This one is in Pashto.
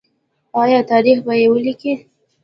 آیا تاریخ به یې ولیکي؟